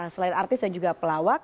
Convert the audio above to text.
selain artis dan juga pelawak